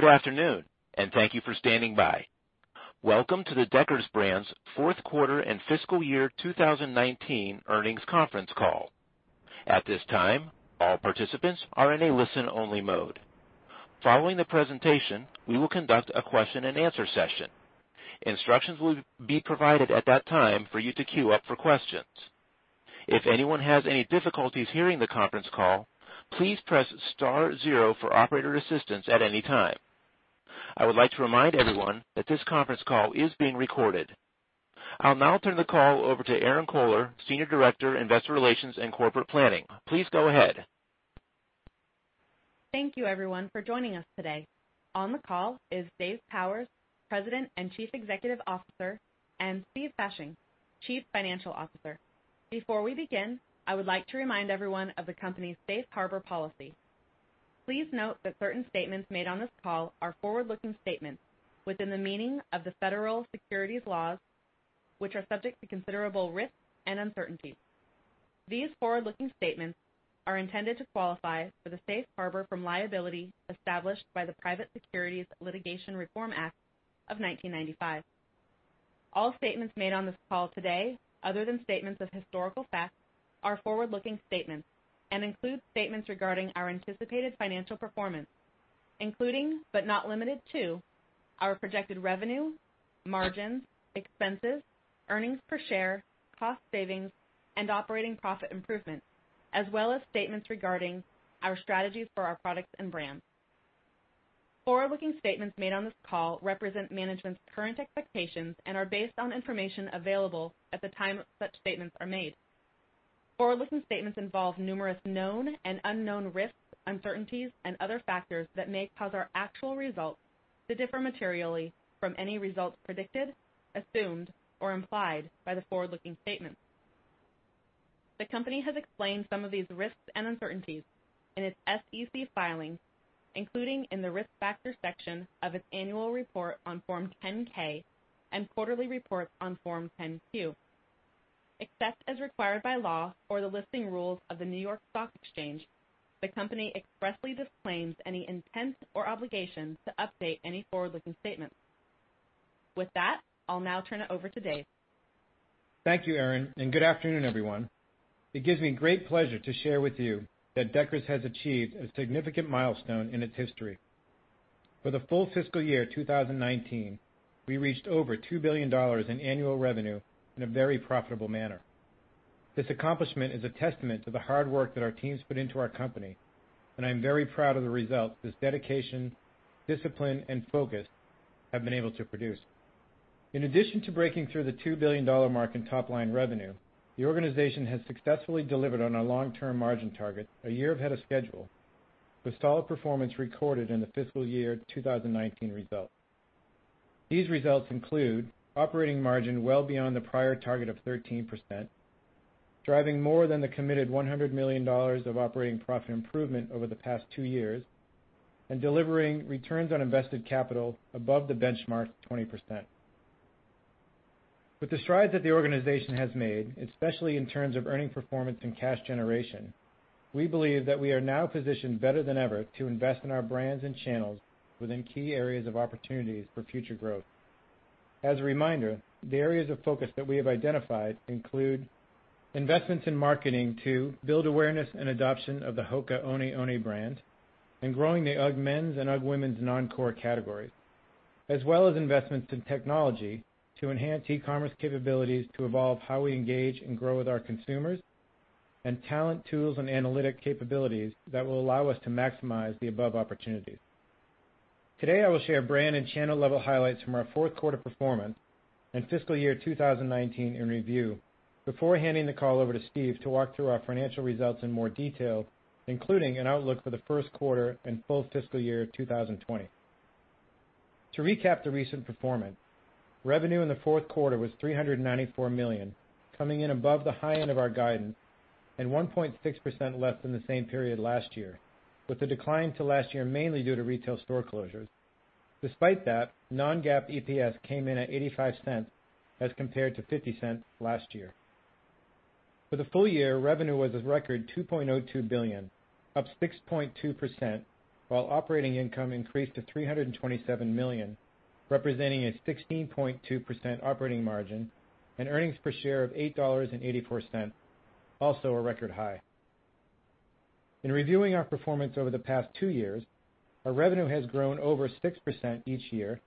Good afternoon. Thank you for standing by. Welcome to the Deckers Brands fourth quarter and fiscal year 2019 earnings conference call. At this time, all participants are in a listen-only mode. Following the presentation, we will conduct a question and answer session. Instructions will be provided at that time for you to queue up for questions. If anyone has any difficulties hearing the conference call, please press star zero for operator assistance at any time. I would like to remind everyone that this conference call is being recorded. I will now turn the call over to Erinn Kohler, Senior Director, Investor Relations and Corporate Planning. Please go ahead. Thank you everyone for joining us today. On the call is Dave Powers, President and Chief Executive Officer, and Steve Fasching, Chief Financial Officer. Before we begin, I would like to remind everyone of the company's safe harbor policy. Please note that certain statements made on this call are forward-looking statements within the meaning of the federal securities laws, which are subject to considerable risks and uncertainties. These forward-looking statements are intended to qualify for the safe harbor from liability established by the Private Securities Litigation Reform Act of 1995. All statements made on this call today, other than statements of historical facts, are forward-looking statements and include statements regarding our anticipated financial performance, including, but not limited to, our projected revenue, margins, expenses, earnings per share, cost savings, and operating profit improvements, as well as statements regarding our strategies for our products and brands. Forward-looking statements made on this call represent management's current expectations and are based on information available at the time such statements are made. Forward-looking statements involve numerous known and unknown risks, uncertainties, and other factors that may cause our actual results to differ materially from any results predicted, assumed, or implied by the forward-looking statements. The company has explained some of these risks and uncertainties in its SEC filings, including in the risk factors section of its annual report on Form 10-K and quarterly report on Form 10-Q. Except as required by law or the listing rules of the New York Stock Exchange, the company expressly disclaims any intent or obligation to update any forward-looking statements. With that, I will now turn it over to Dave. Thank you, Erinn. Good afternoon, everyone. It gives me great pleasure to share with you that Deckers has achieved a significant milestone in its history. For the full fiscal year 2019, we reached over $2 billion in annual revenue in a very profitable manner. This accomplishment is a testament to the hard work that our teams put into our company. I am very proud of the results this dedication, discipline, and focus have been able to produce. In addition to breaking through the $2 billion mark in top-line revenue, the organization has successfully delivered on our long-term margin target a year ahead of schedule, with solid performance recorded in the fiscal year 2019 results. These results include operating margin well beyond the prior target of 13%, driving more than the committed $100 million of operating profit improvement over the past two years, and delivering returns on invested capital above the benchmark 20%. With the strides that the organization has made, especially in terms of earnings performance and cash generation, we believe that we are now positioned better than ever to invest in our brands and channels within key areas of opportunities for future growth. As a reminder, the areas of focus that we have identified include investments in marketing to build awareness and adoption of the HOKA ONE ONE brand and growing the UGG men's and UGG women's non-core categories, as well as investments in technology to enhance e-commerce capabilities to evolve how we engage and grow with our consumers, and talent tools and analytics capabilities that will allow us to maximize the above opportunities. Today, I will share brand and channel level highlights from our fourth quarter performance and fiscal year 2019 in review before handing the call over to Steve to walk through our financial results in more detail, including an outlook for the first quarter and full fiscal year 2020. To recap the recent performance, revenue in the fourth quarter was $394 million, coming in above the high end of our guidance and 1.6% less than the same period last year, with the decline to last year mainly due to retail store closures. Despite that, non-GAAP EPS came in at $0.85 as compared to $0.50 last year. For the full year, revenue was a record $2.02 billion, up 6.2%, while operating income increased to $327 million, representing a 16.2% operating margin and earnings per share of $8.84, also a record high. In reviewing our performance over the past two years, our revenue has grown over 6% each year.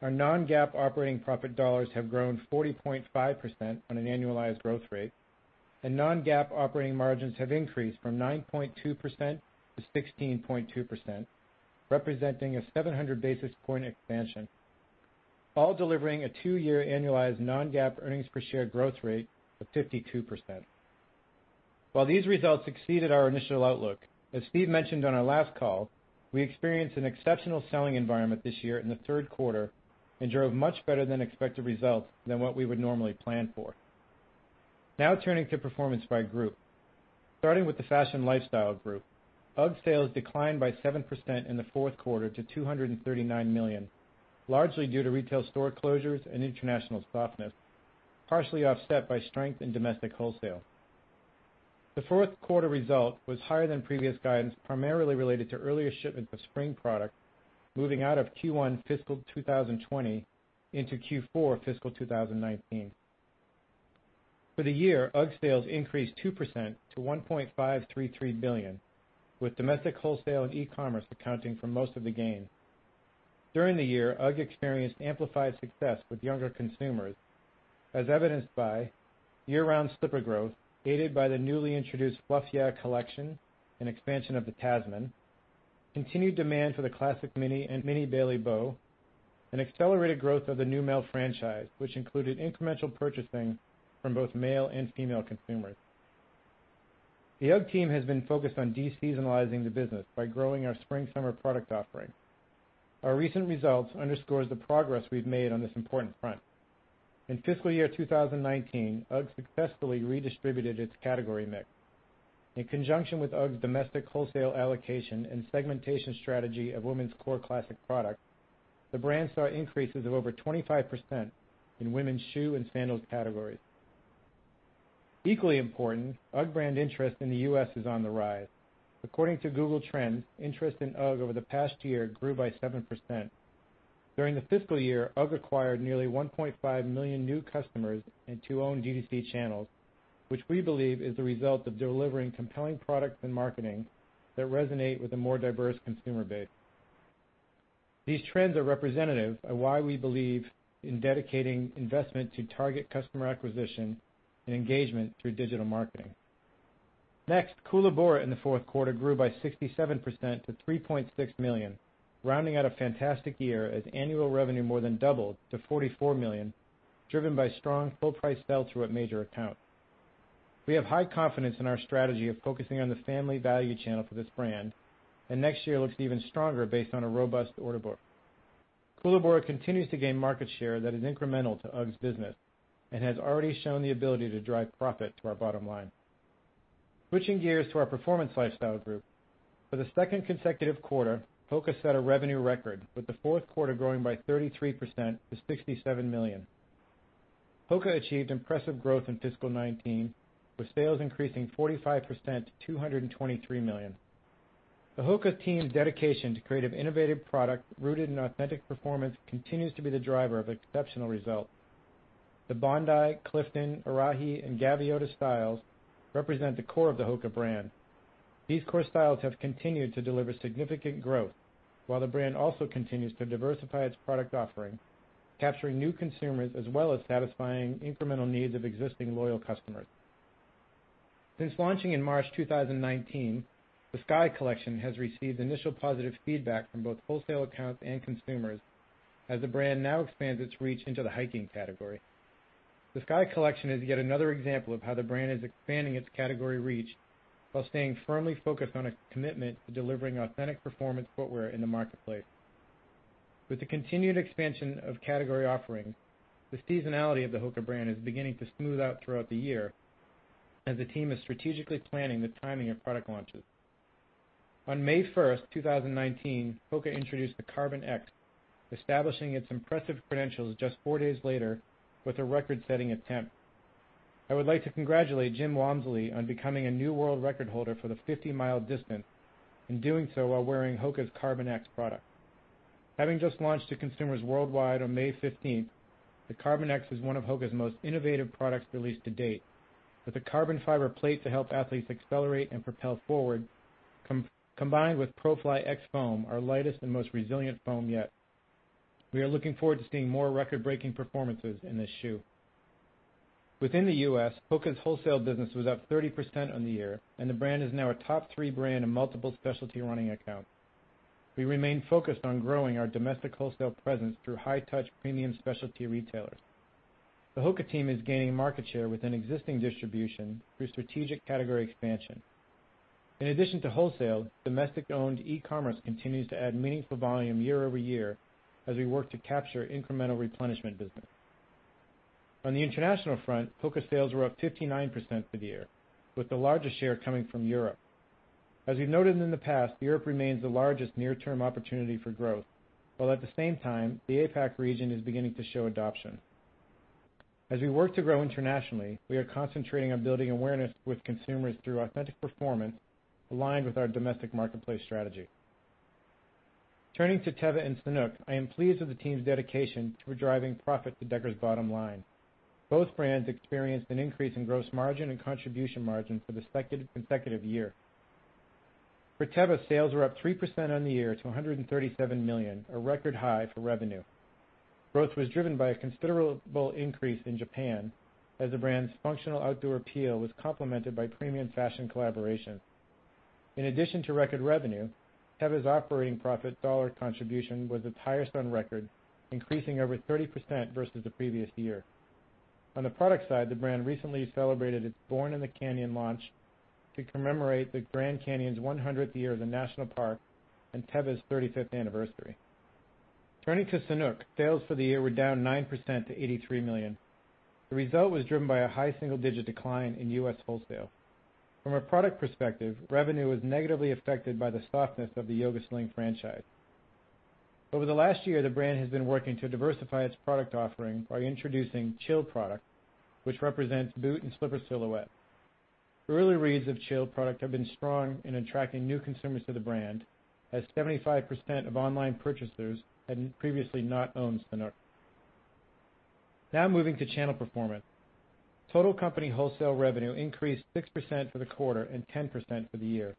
Our non-GAAP operating profit dollars have grown 40.5% on an annualized growth rate, and non-GAAP operating margins have increased from 9.2% to 16.2%, representing a 700 basis point expansion, all delivering a two-year annualized non-GAAP earnings per share growth rate of 52%. While these results exceeded our initial outlook, as Steve mentioned on our last call, we experienced an exceptional selling environment this year in the third quarter and drove much better than expected results than what we would normally plan for. Now turning to performance by group. Starting with the fashion lifestyle group, UGG sales declined by 7% in the fourth quarter to $239 million, largely due to retail store closures and international softness, partially offset by strength in domestic wholesale. The fourth quarter result was higher than previous guidance, primarily related to earlier shipment of spring product moving out of Q1 fiscal 2020 into Q4 fiscal 2019. For the year, UGG sales increased 2% to $1.533 billion, with domestic wholesale and e-commerce accounting for most of the gain. During the year, UGG experienced amplified success with younger consumers, as evidenced by year-round slipper growth, aided by the newly introduced Fluff Yeah collection and expansion of the Tasman, continued demand for the classic mini and mini Bailey Bow, and accelerated growth of the Neumel franchise, which included incremental purchasing from both male and female consumers. The UGG team has been focused on de-seasonalizing the business by growing our spring/summer product offering. Our recent results underscores the progress we've made on this important front. In fiscal year 2019, UGG successfully redistributed its category mix. In conjunction with UGG's domestic wholesale allocation and segmentation strategy of women's core classic product, the brand saw increases of over 25% in women's shoe and sandals categories. Equally important, UGG brand interest in the U.S. is on the rise. According to Google Trends, interest in UGG over the past year grew by 7%. During the fiscal year, UGG acquired nearly 1.5 million new customers in two owned DTC channels, which we believe is the result of delivering compelling products and marketing that resonate with a more diverse consumer base. These trends are representative of why we believe in dedicating investment to target customer acquisition and engagement through digital marketing. Next, Koolaburra in the fourth quarter grew by 67% to $3.6 million, rounding out a fantastic year as annual revenue more than doubled to $44 million, driven by strong full-price sell-through at major accounts. We have high confidence in our strategy of focusing on the family value channel for this brand, and next year looks even stronger based on a robust order book. Koolaburra continues to gain market share that is incremental to UGG's business and has already shown the ability to drive profit to our bottom line. Switching gears to our Performance Lifestyle group. For the second consecutive quarter, HOKA set a revenue record, with the fourth quarter growing by 33% to $67 million. HOKA achieved impressive growth in fiscal 2019, with sales increasing 45% to $223 million. The HOKA team's dedication to creative, innovative product rooted in authentic performance continues to be the driver of exceptional results. The Bondi, Clifton, Arahi, and Gaviota styles represent the core of the HOKA brand. These core styles have continued to deliver significant growth, while the brand also continues to diversify its product offering, capturing new consumers as well as satisfying incremental needs of existing loyal customers. Since launching in March 2019, the Sky collection has received initial positive feedback from both wholesale accounts and consumers as the brand now expands its reach into the hiking category. The Sky collection is yet another example of how the brand is expanding its category reach while staying firmly focused on a commitment to delivering authentic performance footwear in the marketplace. With the continued expansion of category offerings, the seasonality of the HOKA brand is beginning to smooth out throughout the year as the team is strategically planning the timing of product launches. On May 1st, 2019, HOKA introduced the Carbon X, establishing its impressive credentials just four days later with a record-setting attempt. I would like to congratulate Jim Walmsley on becoming a new world record holder for the 50-mile distance, and doing so while wearing HOKA's Carbon X product. Having just launched to consumers worldwide on May 15th, the Carbon X is one of HOKA's most innovative products released to date. With a carbon fiber plate to help athletes accelerate and propel forward, combined with PROFLY X foam, our lightest and most resilient foam yet, we are looking forward to seeing more record-breaking performances in this shoe. Within the U.S., HOKA's wholesale business was up 30% on the year, and the brand is now a top three brand in multiple specialty running accounts. We remain focused on growing our domestic wholesale presence through high-touch premium specialty retailers. The HOKA team is gaining market share within existing distribution through strategic category expansion. In addition to wholesale, domestic-owned e-commerce continues to add meaningful volume year-over-year as we work to capture incremental replenishment business. On the international front, HOKA sales were up 59% for the year, with the largest share coming from Europe. As we've noted in the past, Europe remains the largest near-term opportunity for growth. While at the same time, the APAC region is beginning to show adoption. As we work to grow internationally, we are concentrating on building awareness with consumers through authentic performance aligned with our domestic marketplace strategy. Turning to Teva and Sanuk. I am pleased with the team's dedication to driving profit to Deckers' bottom line. Both brands experienced an increase in gross margin and contribution margin for the second consecutive year. For Teva, sales were up 3% on the year to $137 million, a record high for revenue. Growth was driven by a considerable increase in Japan as the brand's functional outdoor appeal was complemented by premium fashion collaboration. In addition to record revenue, Teva's operating profit dollar contribution was its highest on record, increasing over 30% versus the previous year. On the product side, the brand recently celebrated its Born in the Canyon launch to commemorate the Grand Canyon's 100th year as a national park and Teva's 35th anniversary. Turning to Sanuk, sales for the year were down 9% to $83 million. The result was driven by a high single-digit decline in U.S. wholesale. From a product perspective, revenue was negatively affected by the softness of the Yoga Sling franchise. Over the last year, the brand has been working to diversify its product offering by introducing Chill product, which represents boot and slipper silhouette. Early reads of Chill product have been strong in attracting new consumers to the brand, as 75% of online purchasers had previously not owned Sanuk. Moving to channel performance. Total company wholesale revenue increased 6% for the quarter and 10% for the year.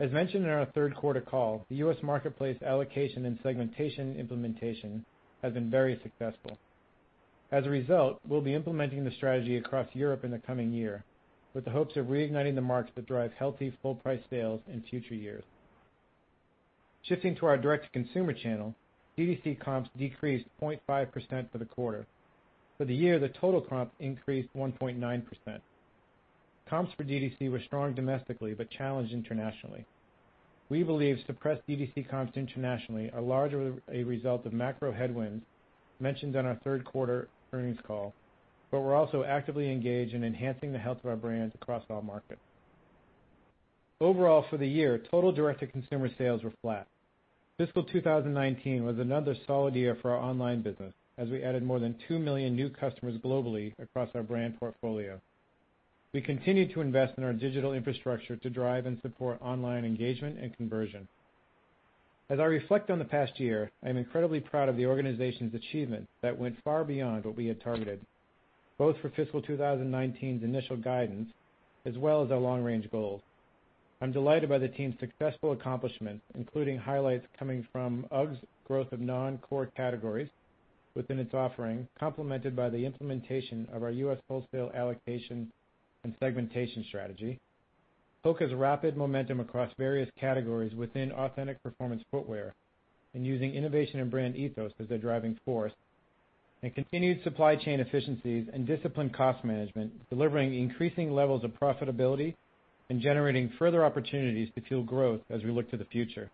As mentioned in our third quarter call, the U.S. marketplace allocation and segmentation implementation has been very successful. As a result, we'll be implementing the strategy across Europe in the coming year with the hopes of reigniting the market to drive healthy full-price sales in future years. Shifting to our direct-to-consumer channel, D2C comps decreased 0.5% for the quarter. For the year, the total comp increased 1.9%. Comps for D2C were strong domestically, but challenged internationally. We believe suppressed D2C comps internationally are largely a result of macro headwinds mentioned on our third quarter earnings call, but we're also actively engaged in enhancing the health of our brands across all markets. Overall, for the year, total direct-to-consumer sales were flat. Fiscal 2019 was another solid year for our online business, as we added more than 2 million new customers globally across our brand portfolio. We continued to invest in our digital infrastructure to drive and support online engagement and conversion. As I reflect on the past year, I am incredibly proud of the organization's achievements that went far beyond what we had targeted, both for fiscal 2019's initial guidance, as well as our long-range goals. I'm delighted by the team's successful accomplishments, including highlights coming from UGG's growth of non-core categories within its offering, complemented by the implementation of our U.S. wholesale allocation and segmentation strategy. HOKA's rapid momentum across various categories within authentic performance footwear and using innovation and brand ethos as their driving force, and continued supply chain efficiencies and disciplined cost management, delivering increasing levels of profitability and generating further opportunities to fuel growth as we look to the future.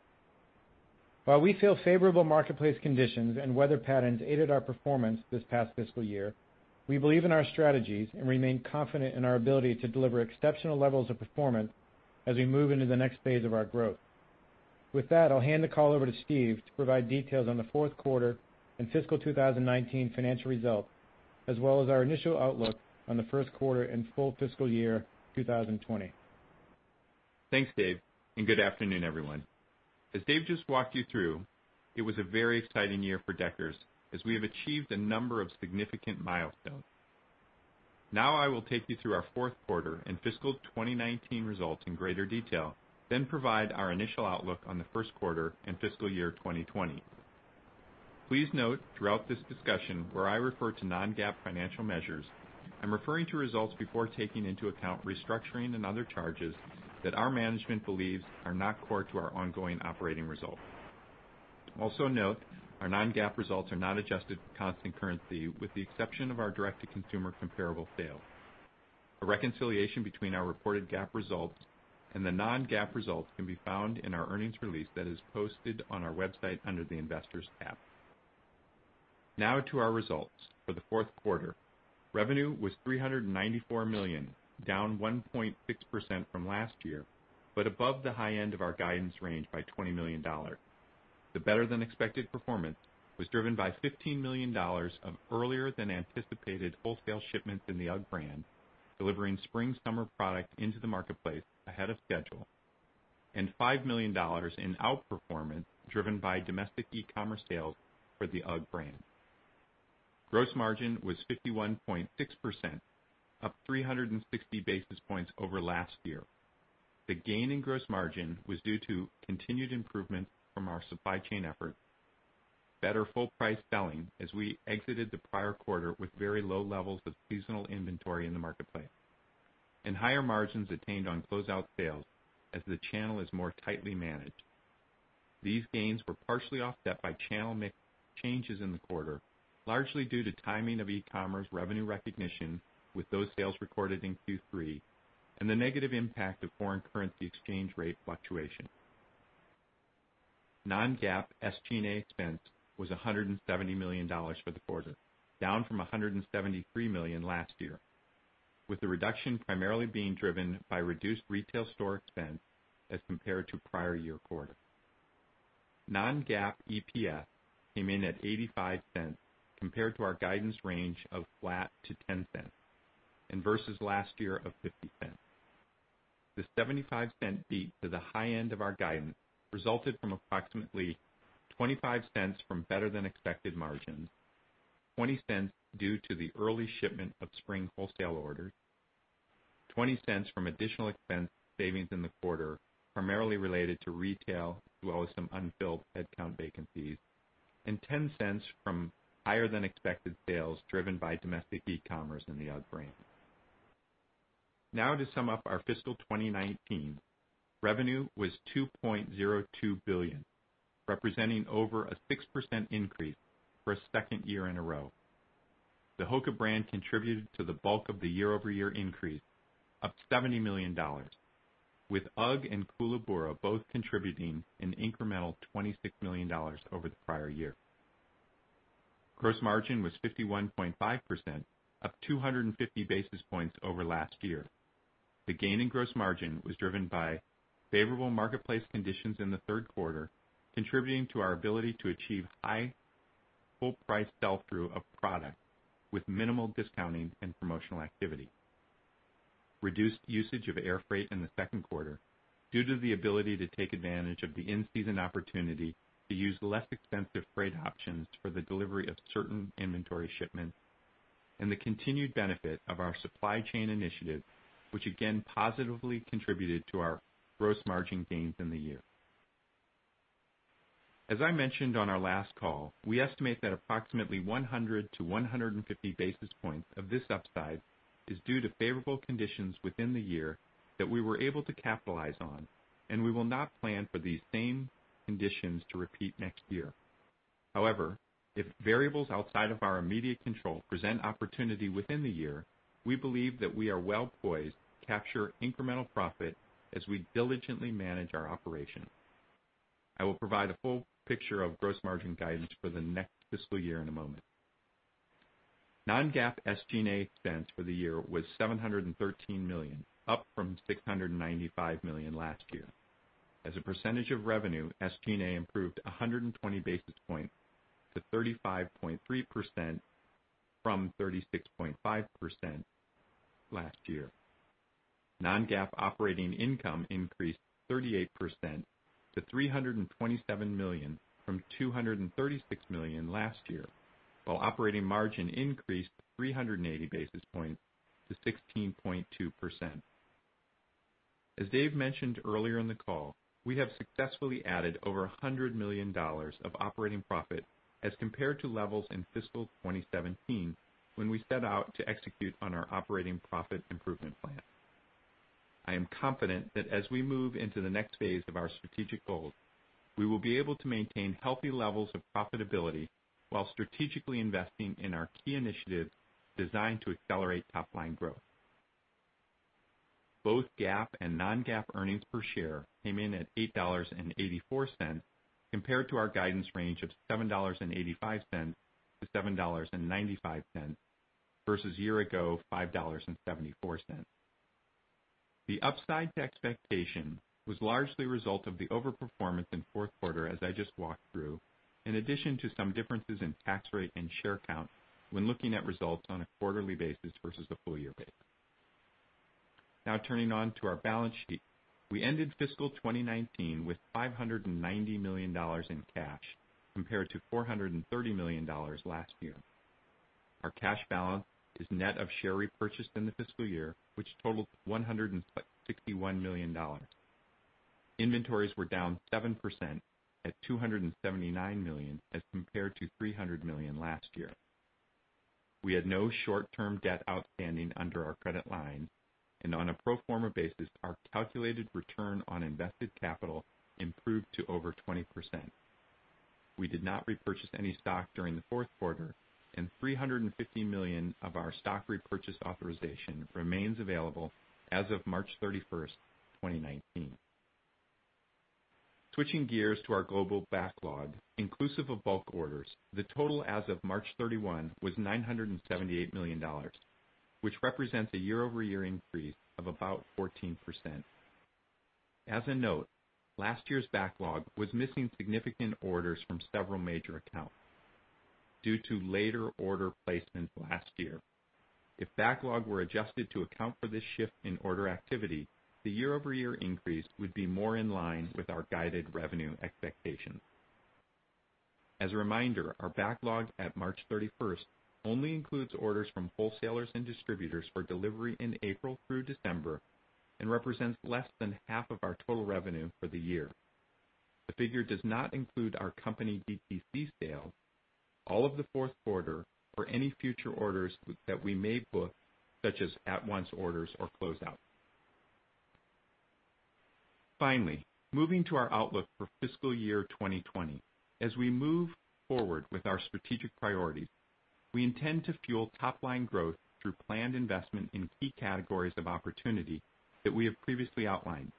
While we feel favorable marketplace conditions and weather patterns aided our performance this past fiscal year, we believe in our strategies and remain confident in our ability to deliver exceptional levels of performance as we move into the next phase of our growth. With that, I'll hand the call over to Steve to provide details on the fourth quarter and fiscal 2019 financial results, as well as our initial outlook on the first quarter and full fiscal year 2020. Thanks, Dave, and good afternoon, everyone. As Dave just walked you through, it was a very exciting year for Deckers, as we have achieved a number of significant milestones. Now I will take you through our fourth quarter and fiscal 2019 results in greater detail, then provide our initial outlook on the first quarter and fiscal year 2020. Please note throughout this discussion, where I refer to non-GAAP financial measures, I'm referring to results before taking into account restructuring and other charges that our management believes are not core to our ongoing operating results. Also note our non-GAAP results are not adjusted for constant currency with the exception of our direct-to-consumer comparable sales. A reconciliation between our reported GAAP results and the non-GAAP results can be found in our earnings release that is posted on our website under the Investors tab. Now to our results. For the fourth quarter, revenue was $394 million, down 1.6% from last year, but above the high end of our guidance range by $20 million. The better-than-expected performance was driven by $15 million of earlier-than-anticipated wholesale shipments in the UGG brand, delivering spring/summer product into the marketplace ahead of schedule, and $5 million in outperformance driven by domestic e-commerce sales for the UGG brand. Gross margin was 51.6%, up 360 basis points over last year. The gain in gross margin was due to continued improvements from our supply chain efforts, better full price selling as we exited the prior quarter with very low levels of seasonal inventory in the marketplace, and higher margins attained on closeout sales as the channel is more tightly managed. These gains were partially offset by channel mix changes in the quarter, largely due to timing of e-commerce revenue recognition with those sales recorded in Q3, and the negative impact of foreign currency exchange rate fluctuation. Non-GAAP SG&A expense was $170 million for the quarter, down from $173 million last year, with the reduction primarily being driven by reduced retail store expense as compared to prior year quarter. Non-GAAP EPS came in at $0.85 compared to our guidance range of flat to $0.10 and versus last year of $0.50. The $0.75 beat to the high end of our guidance resulted from approximately $0.25 from better-than-expected margins, $0.20 due to the early shipment of spring wholesale orders, $0.20 from additional expense savings in the quarter, primarily related to retail as well as some unfilled headcount vacancies, and $0.10 from higher-than-expected sales driven by domestic e-commerce in the UGG brand. To sum up our fiscal 2019. Revenue was $2.02 billion, representing over a 6% increase for a second year in a row. The HOKA brand contributed to the bulk of the year-over-year increase, up $70 million, with UGG and Koolaburra both contributing an incremental $26 million over the prior year. Gross margin was 51.5%, up 250 basis points over last year. The gain in gross margin was driven by favorable marketplace conditions in the third quarter, contributing to our ability to achieve high full price sell-through of product with minimal discounting and promotional activity. Reduced usage of air freight in the second quarter, due to the ability to take advantage of the in-season opportunity to use less expensive freight options for the delivery of certain inventory shipments, and the continued benefit of our supply chain initiative, which again positively contributed to our gross margin gains in the year. As I mentioned on our last call, we estimate that approximately 100-150 basis points of this upside is due to favorable conditions within the year that we were able to capitalize on, and we will not plan for these same conditions to repeat next year. If variables outside of our immediate control present opportunity within the year, we believe that we are well poised to capture incremental profit as we diligently manage our operation. I will provide a full picture of gross margin guidance for the next fiscal year in a moment. Non-GAAP SG&A expense for the year was $713 million, up from $695 million last year. As a percentage of revenue, SG&A improved 120 basis points to 35.3% from 36.5% last year. Non-GAAP operating income increased 38% to $327 million from $236 million last year, while operating margin increased 380 basis points to 16.2%. As Dave mentioned earlier in the call, we have successfully added over $100 million of operating profit as compared to levels in fiscal 2017, when we set out to execute on our operating profit improvement plan. I am confident that as we move into the next phase of our strategic goals, we will be able to maintain healthy levels of profitability while strategically investing in our key initiatives designed to accelerate top-line growth. Both GAAP and non-GAAP earnings per share came in at $8.84, compared to our guidance range of $7.85-$7.95, versus year ago, $5.74. The upside to expectation was largely a result of the over-performance in fourth quarter, as I just walked through, in addition to some differences in tax rate and share count when looking at results on a quarterly basis versus a full year basis. Turning to our balance sheet. We ended fiscal 2019 with $590 million in cash, compared to $430 million last year. Our cash balance is net of share repurchase in the fiscal year, which totaled $161 million. Inventories were down 7% at $279 million as compared to $300 million last year. We had no short-term debt outstanding under our credit line. On a pro forma basis, our calculated return on invested capital improved to over 20%. We did not repurchase any stock during the fourth quarter, and $350 million of our stock repurchase authorization remains available as of March 31st, 2019. Switching gears to our global backlog. Inclusive of bulk orders, the total as of March 31 was $978 million, which represents a year-over-year increase of about 14%. As a note, last year's backlog was missing significant orders from several major accounts due to later order placements last year. If backlog were adjusted to account for this shift in order activity, the year-over-year increase would be more in line with our guided revenue expectations. As a reminder, our backlog at March 31st only includes orders from wholesalers and distributors for delivery in April through December and represents less than half of our total revenue for the year. The figure does not include our company DTC sales, all of the fourth quarter, or any future orders that we may book, such as at-once orders or closeouts. Finally, moving to our outlook for fiscal year 2020. As we move forward with our strategic priorities, we intend to fuel top-line growth through planned investment in key categories of opportunity that we have previously outlined.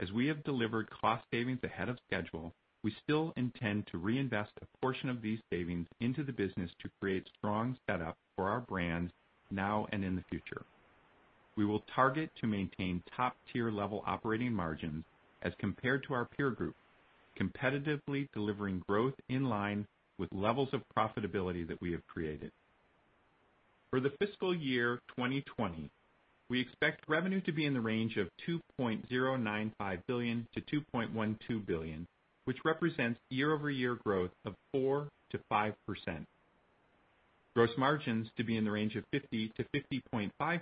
As we have delivered cost savings ahead of schedule, we still intend to reinvest a portion of these savings into the business to create strong setup for our brands now and in the future. We will target to maintain top-tier level operating margins as compared to our peer group, competitively delivering growth in line with levels of profitability that we have created. For the fiscal year 2020, we expect revenue to be in the range of $2.095 billion-$2.12 billion, which represents year-over-year growth of 4%-5%. Gross margins to be in the range of 50%-50.5%.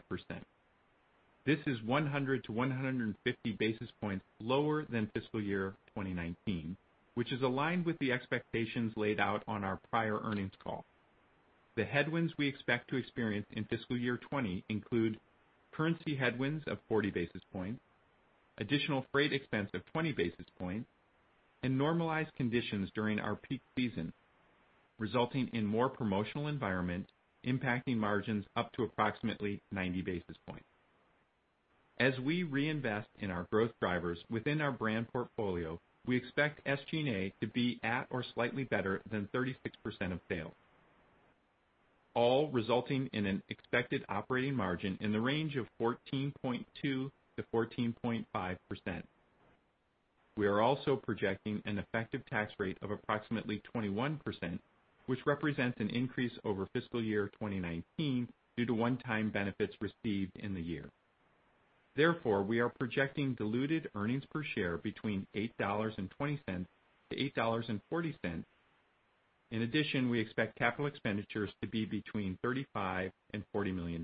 This is 100-150 basis points lower than fiscal year 2019, which is aligned with the expectations laid out on our prior earnings call. The headwinds we expect to experience in fiscal year 2020 include currency headwinds of 40 basis points, additional freight expense of 20 basis points, and normalized conditions during our peak season, resulting in more promotional environment impacting margins up to approximately 90 basis points. As we reinvest in our growth drivers within our brand portfolio, we expect SGA to be at or slightly better than 36% of sales, all resulting in an expected operating margin in the range of 14.2%-14.5%. We are also projecting an effective tax rate of approximately 21%, which represents an increase over fiscal year 2019 due to one-time benefits received in the year. Therefore, we are projecting diluted earnings per share between $8.20-$8.40. In addition, we expect capital expenditures to be between $35 million and $40 million.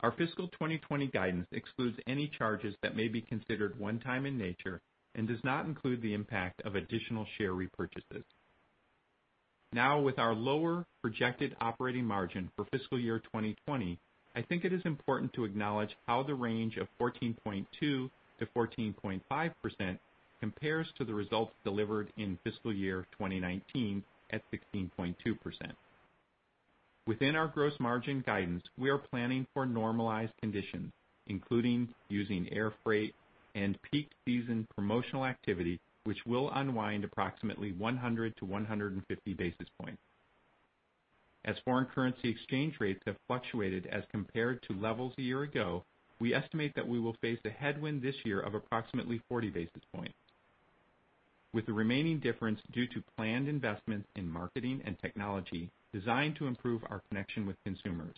Our fiscal 2020 guidance excludes any charges that may be considered one-time in nature and does not include the impact of additional share repurchases. With our lower projected operating margin for fiscal year 2020, I think it is important to acknowledge how the range of 14.2%-14.5% compares to the results delivered in fiscal year 2019 at 16.2%. Within our gross margin guidance, we are planning for normalized conditions, including using air freight and peak season promotional activity, which will unwind approximately 100-150 basis points. As foreign currency exchange rates have fluctuated as compared to levels a year ago, we estimate that we will face a headwind this year of approximately 40 basis points, with the remaining difference due to planned investments in marketing and technology designed to improve our connection with consumers.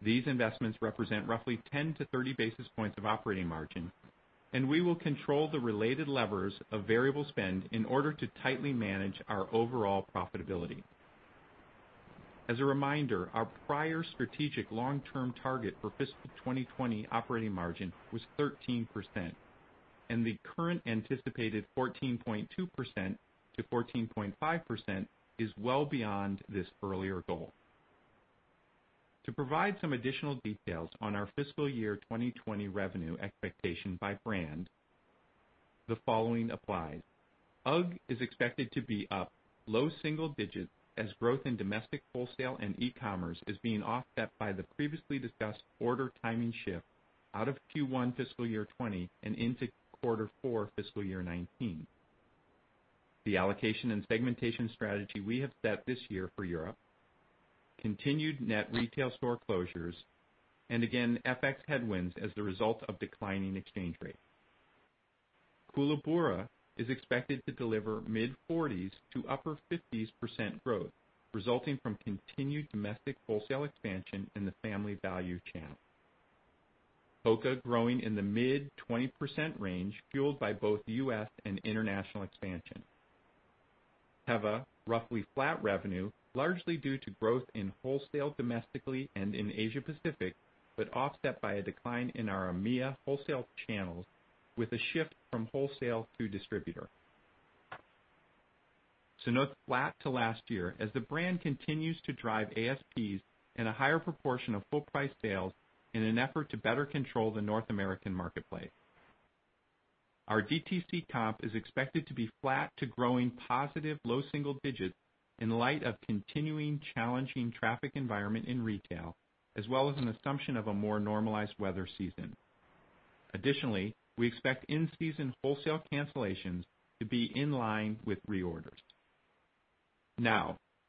These investments represent roughly 10-30 basis points of operating margin, and we will control the related levers of variable spend in order to tightly manage our overall profitability. As a reminder, our prior strategic long-term target for fiscal 2020 operating margin was 13%, and the current anticipated 14.2%-14.5% is well beyond this earlier goal. To provide some additional details on our fiscal year 2020 revenue expectation by brand, the following applies. UGG is expected to be up low single digits as growth in domestic wholesale and e-commerce is being offset by the previously discussed order timing shift out of Q1 fiscal year 2020 and into quarter four, fiscal year 2019. The allocation and segmentation strategy we have set this year for Europe, continued net retail store closures, and again, FX headwinds as the result of declining exchange rate. Koolaburra is expected to deliver mid-40s to upper 50s% growth, resulting from continued domestic wholesale expansion in the family value channel. HOKA growing in the mid-20% range, fueled by both U.S. and international expansion. Teva, roughly flat revenue, largely due to growth in wholesale domestically and in Asia Pacific, but offset by a decline in our EMEIA wholesale channels with a shift from wholesale to distributor. Sanuk flat to last year as the brand continues to drive ASPs and a higher proportion of full price sales in an effort to better control the North American marketplace. Our DTC comp is expected to be flat to growing positive low single digits in light of continuing challenging traffic environment in retail, as well as an assumption of a more normalized weather season. Additionally, we expect in-season wholesale cancellations to be in line with reorders.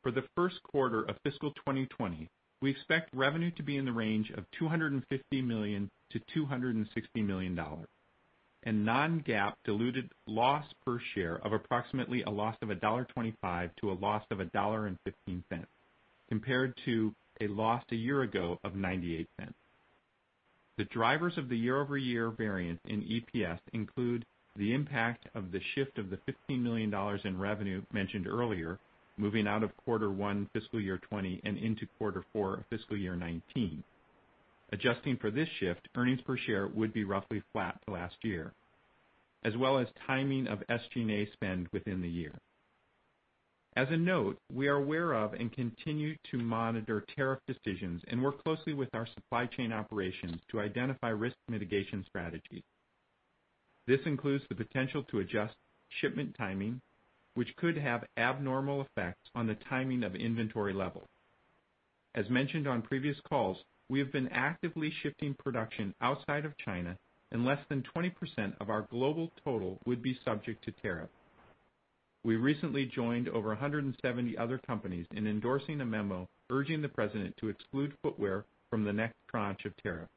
For the first quarter of fiscal 2020, we expect revenue to be in the range of $250 million-$260 million, and non-GAAP diluted loss per share of approximately a loss of $1.25 - a loss of $1.15, compared to a loss a year ago of $0.98. The drivers of the year-over-year variance in EPS include the impact of the shift of the $15 million in revenue mentioned earlier, moving out of quarter one fiscal year 2020 and into quarter four of fiscal year 2019. Adjusting for this shift, earnings per share would be roughly flat to last year, as well as timing of SG&A spend within the year. As a note, we are aware of and continue to monitor tariff decisions and work closely with our supply chain operations to identify risk mitigation strategies. This includes the potential to adjust shipment timing, which could have abnormal effects on the timing of inventory levels. As mentioned on previous calls, we have been actively shifting production outside of China, and less than 20% of our global total would be subject to tariff. We recently joined over 170 other companies in endorsing a memo urging the President to exclude footwear from the next tranche of tariff.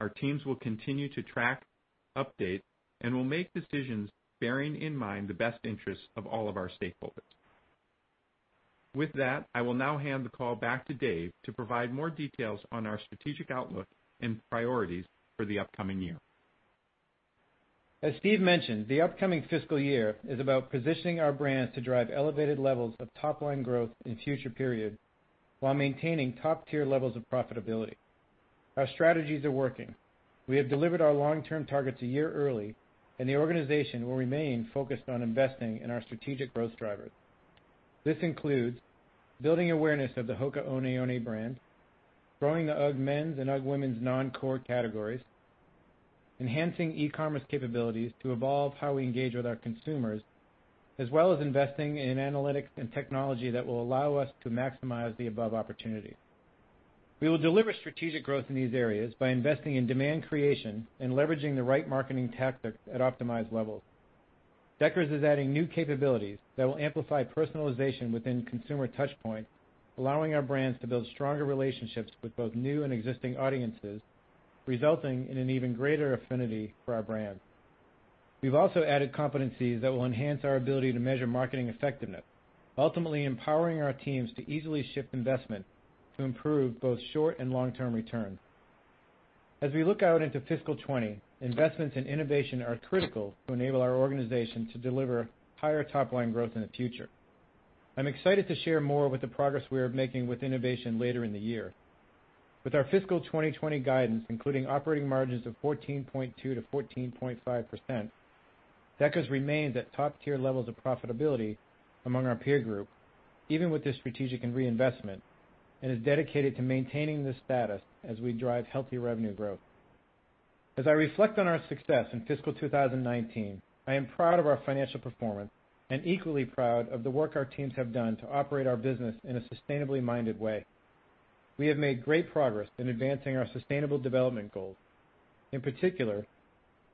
Our teams will continue to track, update, and will make decisions bearing in mind the best interests of all of our stakeholders. With that, I will now hand the call back to Dave to provide more details on our strategic outlook and priorities for the upcoming year. As Steve mentioned, the upcoming fiscal year is about positioning our brands to drive elevated levels of top-line growth in future periods while maintaining top-tier levels of profitability. Our strategies are working. We have delivered our long-term targets a year early, and the organization will remain focused on investing in our strategic growth drivers. This includes building awareness of the HOKA ONE ONE brand, growing the UGG men's and UGG women's non-core categories, enhancing e-commerce capabilities to evolve how we engage with our consumers, as well as investing in analytics and technology that will allow us to maximize the above opportunities. We will deliver strategic growth in these areas by investing in demand creation and leveraging the right marketing tactics at optimized levels. Deckers is adding new capabilities that will amplify personalization within consumer touch points, allowing our brands to build stronger relationships with both new and existing audiences, resulting in an even greater affinity for our brand. We've also added competencies that will enhance our ability to measure marketing effectiveness, ultimately empowering our teams to easily shift investment to improve both short and long-term returns. As we look out into fiscal year 2020, investments in innovation are critical to enable our organization to deliver higher top-line growth in the future. I'm excited to share more with the progress we are making with innovation later in the year. With our fiscal 2020 guidance, including operating margins of 14.2%-14.5%, Deckers remains at top-tier levels of profitability among our peer group, even with this strategic and reinvestment, and is dedicated to maintaining this status as we drive healthy revenue growth. As I reflect on our success in fiscal 2019, I am proud of our financial performance, and equally proud of the work our teams have done to operate our business in a sustainably minded way. We have made great progress in advancing our sustainable development goals. In particular,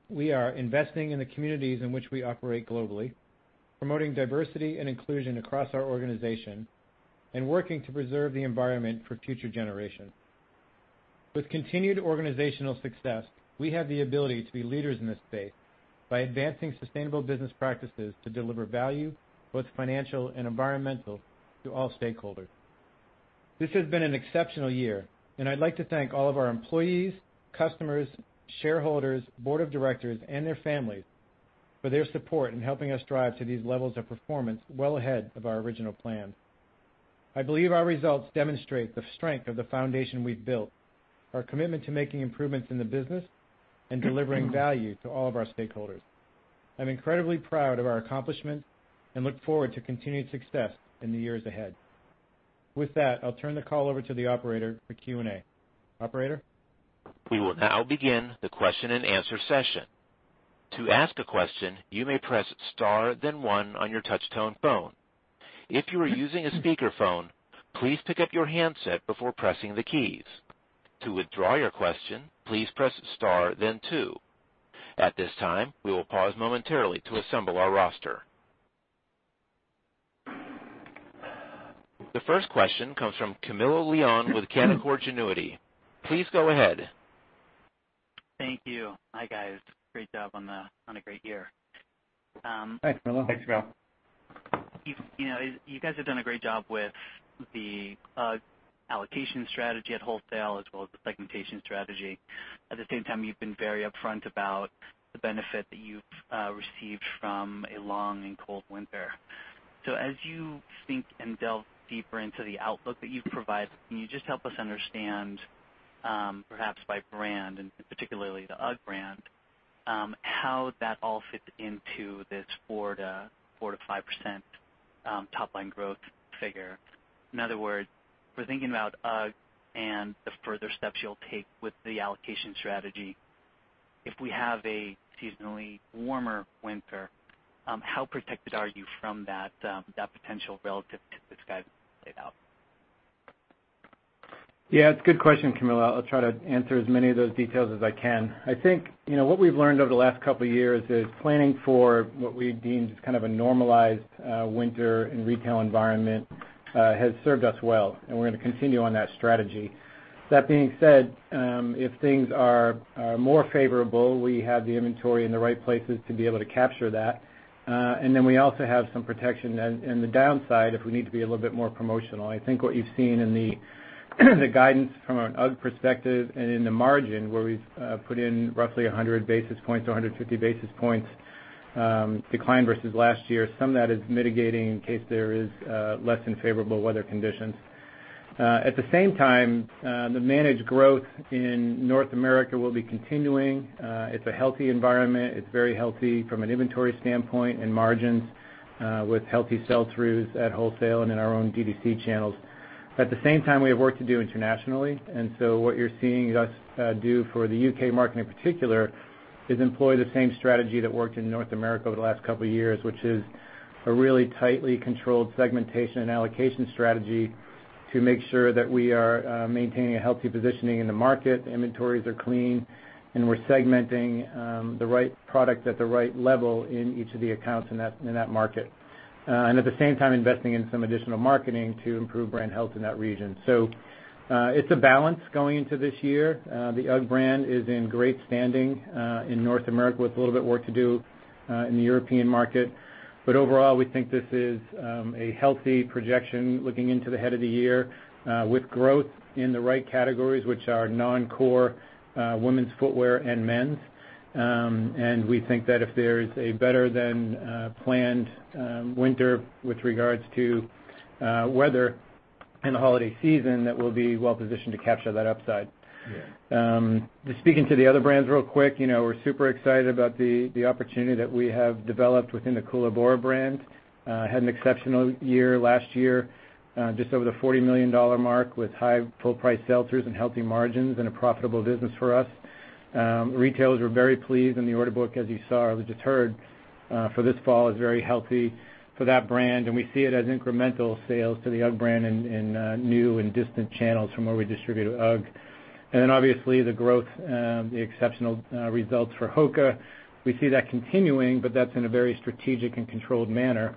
we are investing in the communities in which we operate globally, promoting diversity and inclusion across our organization, and working to preserve the environment for future generations. With continued organizational success, we have the ability to be leaders in this space by advancing sustainable business practices to deliver value, both financial and environmental, to all stakeholders. This has been an exceptional year, and I'd like to thank all of our employees, customers, shareholders, board of directors, and their families for their support in helping us drive to these levels of performance well ahead of our original plan. I believe our results demonstrate the strength of the foundation we've built, our commitment to making improvements in the business, and delivering value to all of our stakeholders. I'm incredibly proud of our accomplishments and look forward to continued success in the years ahead. With that, I'll turn the call over to the operator for Q&A. Operator? We will now begin the question and answer session. To ask a question, you may press star then one on your touch tone phone. If you are using a speakerphone, please pick up your handset before pressing the keys. To withdraw your question, please press star then two. At this time, we will pause momentarily to assemble our roster. The first question comes from Camilo Lyon with Canaccord Genuity. Please go ahead. Thank you. Hi, guys. Great job on a great year. Thanks, Camilo. Thanks, Camilo. You guys have done a great job with the allocation strategy at wholesale, as well as the segmentation strategy. At the same time, you've been very upfront about the benefit that you've received from a long and cold winter. As you think and delve deeper into the outlook that you've provided, can you just help us understand, perhaps by brand, and particularly the UGG brand, how that all fits into this 4%-5% top line growth figure? In other words, we're thinking about UGG and the further steps you'll take with the allocation strategy. If we have a seasonally warmer winter, how protected are you from that potential relative to what's been laid out? Yeah, it's a good question, Camilo. I'll try to answer as many of those details as I can. I think, what we've learned over the last couple of years is planning for what we've deemed as kind of a normalized winter and retail environment has served us well, and we're going to continue on that strategy. That being said, if things are more favorable, we have the inventory in the right places to be able to capture that. Then we also have some protection in the downside, if we need to be a little bit more promotional. I think what you've seen in the guidance from an UGG perspective and in the margin, where we've put in roughly 100 basis points or 150 basis points decline versus last year, some of that is mitigating in case there is less than favorable weather conditions. At the same time, the managed growth in North America will be continuing. It's a healthy environment. It's very healthy from an inventory standpoint and margins with healthy sell-throughs at wholesale and in our own D2C channels. At the same time, we have work to do internationally. What you're seeing us do for the U.K. market in particular, is employ the same strategy that worked in North America over the last couple of years, which is a really tightly controlled segmentation and allocation strategy to make sure that we are maintaining a healthy positioning in the market. Inventories are clean, and we're segmenting the right product at the right level in each of the accounts in that market. At the same time, investing in some additional marketing to improve brand health in that region. It's a balance going into this year. The UGG brand is in great standing in North America, with a little bit work to do in the European market. Overall, we think this is a healthy projection looking into the head of the year with growth in the right categories, which are non-core women's footwear and men's. We think that if there's a better than planned winter with regards to weather in the holiday season that we'll be well-positioned to capture that upside. Yeah. Just speaking to the other brands real quick, we're super excited about the opportunity that we have developed within the Koolaburra brand. Had an exceptional year last year, just over the $40 million mark with high full price sales through some healthy margins and a profitable business for us. Retailers were very pleased. The order book, as you saw or just heard, for this fall is very healthy for that brand, and we see it as incremental sales to the UGG brand in new and distant channels from where we distribute UGG. Obviously the growth, the exceptional results for HOKA. We see that continuing, but that's in a very strategic and controlled manner,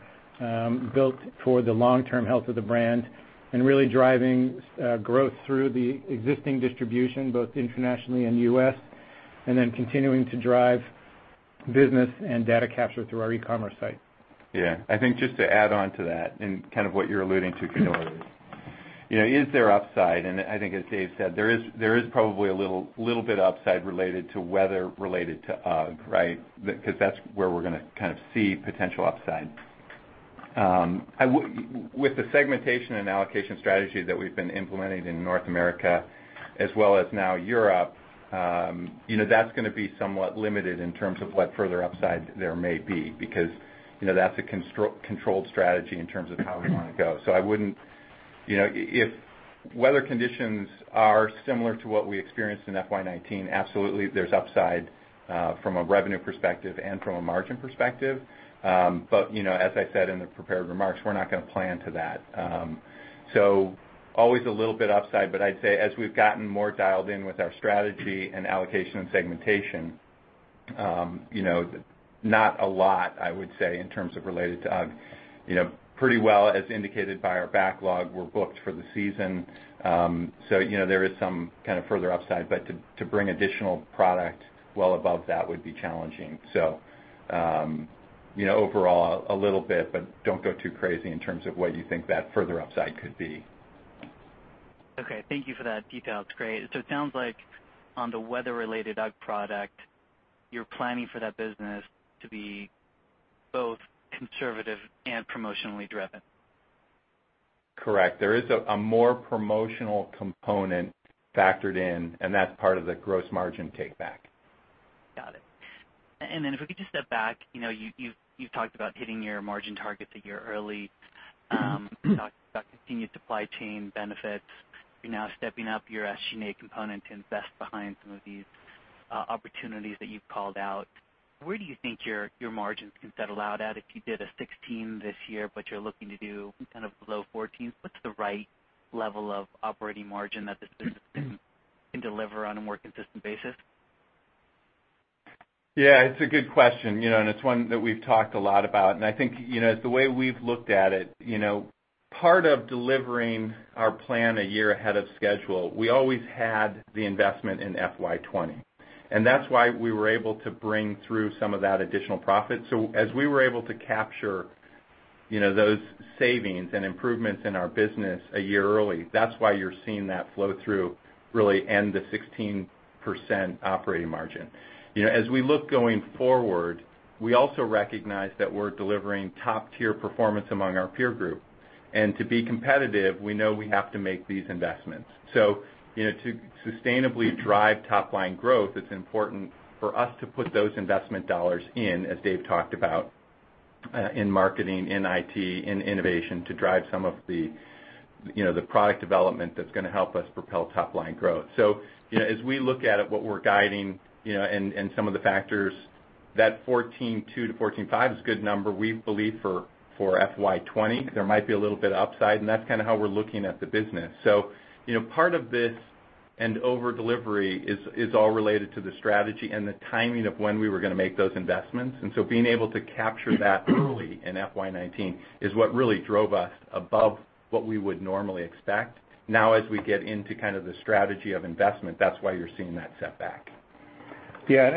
built for the long-term health of the brand, really driving growth through the existing distribution, both internationally and U.S., continuing to drive business and data capture through our e-commerce site. I think just to add on to that, what you're alluding to, Camilo, is there upside? I think as Dave said, there is probably a little bit upside related to weather related to UGG, right? That's where we're going to kind of see potential upside. With the segmentation and allocation strategy that we've been implementing in North America as well as now Europe, that's going to be somewhat limited in terms of what further upside there may be. That's a controlled strategy in terms of how we want to go. If weather conditions are similar to what we experienced in FY 2019, absolutely there's upside, from a revenue perspective and from a margin perspective. As I said in the prepared remarks, we're not going to plan to that. Always a little bit upside. I'd say as we've gotten more dialed in with our strategy and allocation and segmentation, not a lot, I would say, in terms of related to UGG. Pretty well as indicated by our backlog, we're booked for the season. There is some kind of further upside, but to bring additional product well above that would be challenging. Overall a little bit, but don't go too crazy in terms of what you think that further upside could be. Okay. Thank you for that detail. It's great. It sounds like on the weather-related UGG product, you're planning for that business to be both conservative and promotionally driven. Correct. There is a more promotional component factored in, and that's part of the gross margin take back. Got it. If we could just step back. You've talked about hitting your margin targets a year early. You talked about continued supply chain benefits. You're now stepping up your SG&A component to invest behind some of these opportunities that you've called out. Where do you think your margins can settle out at if you did a 16 this year, but you're looking to do kind of below 14? What's the right level of operating margin that this business can deliver on a more consistent basis? Yeah, it's a good question, and it's one that we've talked a lot about. I think, the way we've looked at it, part of delivering our plan a year ahead of schedule, we always had the investment in FY 2020. That's why we were able to bring through some of that additional profit. As we were able to capture those savings and improvements in our business a year early, that's why you're seeing that flow through, really, and the 16% operating margin. As we look going forward, we also recognize that we're delivering top-tier performance among our peer group. To be competitive, we know we have to make these investments. To sustainably drive top-line growth, it's important for us to put those investment dollars in, as Dave talked about, in marketing, in IT, in innovation, to drive some of the product development that's going to help us propel top-line growth. As we look at it, what we're guiding, and some of the factors, that 14.2%-14.5% is a good number, we believe, for FY 2020. There might be a little bit of upside, that's kind of how we're looking at the business. Part of this and over delivery is all related to the strategy and the timing of when we were going to make those investments. Being able to capture that early in FY 2019 is what really drove us above what we would normally expect. Now, as we get into kind of the strategy of investment, that's why you're seeing that setback. Yeah.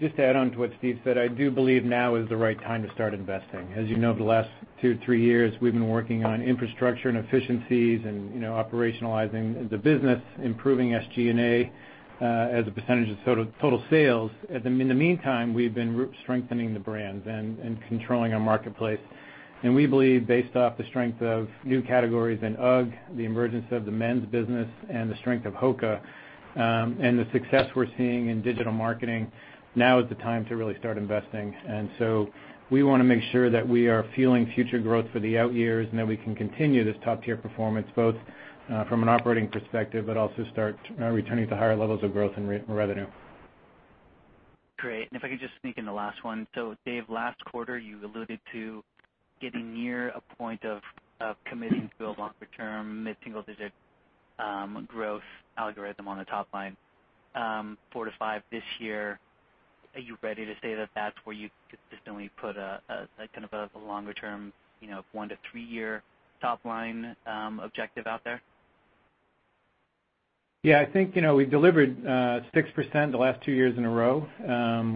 Just to add on to what Steve said, I do believe now is the right time to start investing. As you know, over the last two, three years, we've been working on infrastructure and efficiencies and operationalizing the business, improving SG&A, as a percentage of total sales. In the meantime, we've been strengthening the brands and controlling our marketplace. We believe based off the strength of new categories in UGG, the emergence of the men's business and the strength of HOKA, and the success we're seeing in digital marketing, now is the time to really start investing. So we want to make sure that we are fueling future growth for the out years and that we can continue this top-tier performance, both from an operating perspective, but also start returning to higher levels of growth and revenue. Great. If I could just sneak in the last one. Dave, last quarter, you alluded to getting near a point of committing to a longer-term mid-single digit growth algorithm on the top line. 4%-5% this year. Are you ready to say that that's where you consistently put a kind of a longer-term one to three year top-line objective out there? Yeah. I think we've delivered 6% the last two years in a row,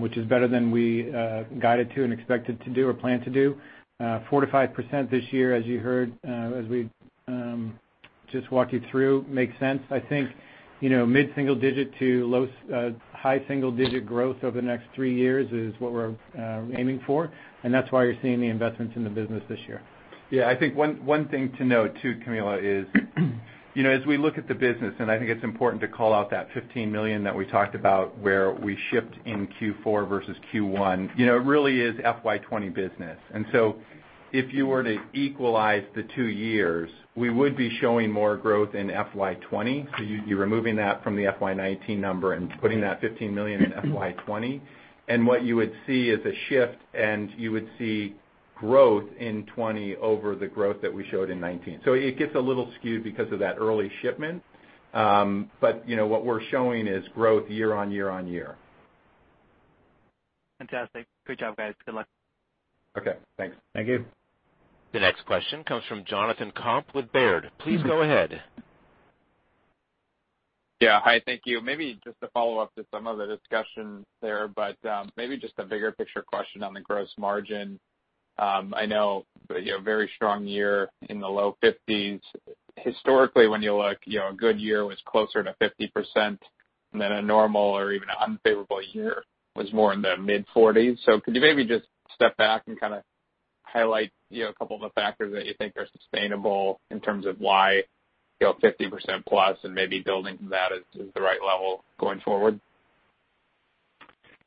which is better than we guided to and expected to do or planned to do. 4%-5% this year, as you heard. Just walk you through. Makes sense. I think mid-single digit to high single digit growth over the next three years is what we're aiming for, and that's why you're seeing the investments in the business this year. Yeah, I think one thing to note too, Camilo, is as we look at the business, I think it's important to call out that $15 million that we talked about where we shipped in Q4 versus Q1, it really is FY 2020 business. If you were to equalize the two years, we would be showing more growth in FY 2020. What you would see is a shift, and you would see growth in 2020 over the growth that we showed in 2019. It gets a little skewed because of that early shipment. What we're showing is growth year-on-year-on-year. Fantastic. Good job, guys. Good luck. Okay, thanks. Thank you. The next question comes from Jonathan Komp with Baird. Please go ahead. Yeah. Hi, thank you. Maybe just to follow up to some of the discussion there, but maybe just a bigger picture question on the gross margin. I know very strong year in the low 50s. Historically, when you look, a good year was closer to 50%, and then a normal or even unfavorable year was more in the mid 40s. Could you maybe just step back and kind of highlight a couple of the factors that you think are sustainable in terms of why 50% plus and maybe building from that is the right level going forward?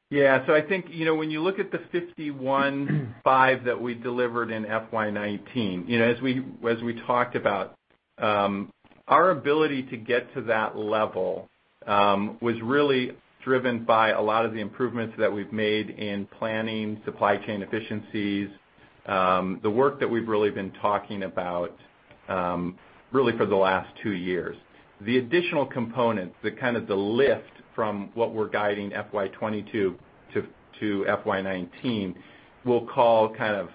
Yeah. I think, when you look at the 51.5 that we delivered in FY 2019, as we talked about, our ability to get to that level was really driven by a lot of the improvements that we've made in planning, supply chain efficiencies, the work that we've really been talking about really for the last two years. The additional components, the kind of the lift from what we're guiding FY 2022 to FY 2019, we'll call kind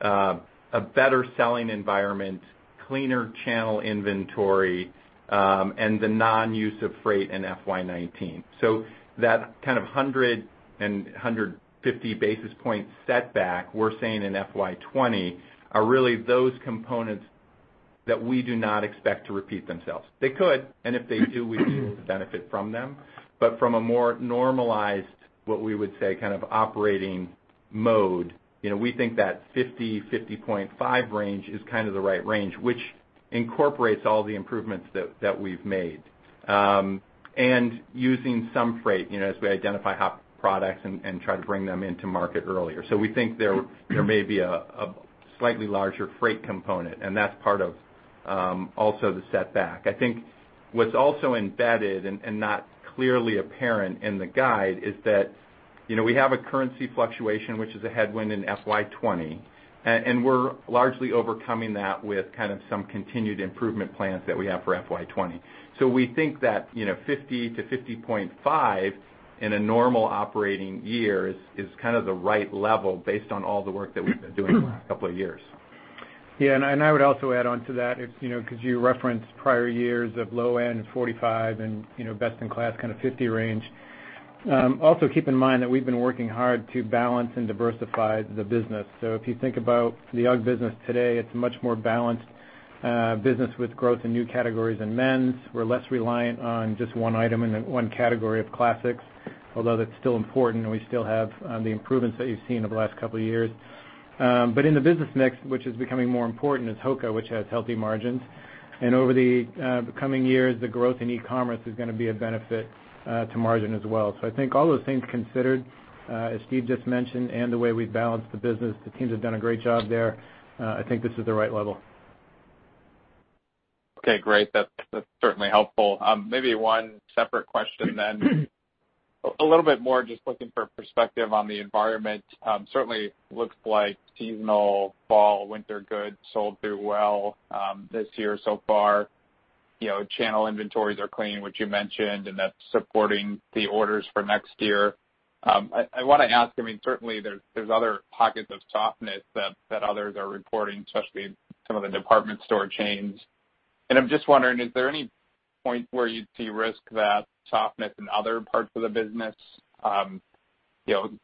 of a better selling environment, cleaner channel inventory, and the non-use of freight in FY 2019. That kind of 100 and 150 basis point setback we're seeing in FY 2020 are really those components that we do not expect to repeat themselves. They could, and if they do, we would benefit from them. From a more normalized, what we would say kind of operating mode, we think that 50%-50.5% range is kind of the right range, which incorporates all the improvements that we've made. Using some freight, as we identify hot products and try to bring them into market earlier. We think there may be a slightly larger freight component, and that's part of also the setback. What's also embedded and not clearly apparent in the guide is that we have a currency fluctuation, which is a headwind in FY 2020. We're largely overcoming that with kind of some continued improvement plans that we have for FY 2020. We think that 50%-50.5% in a normal operating year is kind of the right level based on all the work that we've been doing the last couple of years. I would also add on to that, because you referenced prior years of low end of 45% and best in class kind of 50% range. Also keep in mind that we've been working hard to balance and diversify the business. If you think about the UGG business today, it's a much more balanced business with growth in new categories in men's. We're less reliant on just one item in one category of classics, although that's still important and we still have the improvements that you've seen over the last couple of years. In the business mix, which is becoming more important, is HOKA, which has healthy margins. Over the coming years, the growth in e-commerce is going to be a benefit to margin as well. All those things considered, as Steve just mentioned, and the way we've balanced the business, the teams have done a great job there. This is the right level. Great. That's certainly helpful. Maybe one separate question. A little bit more just looking for perspective on the environment. Certainly looks like seasonal fall/winter goods sold through well this year so far. Channel inventories are clean, which you mentioned, and that's supporting the orders for next year. I want to ask, certainly there's other pockets of softness that others are reporting, especially some of the department store chains. I'm just wondering, is there any point where you'd see risk that softness in other parts of the business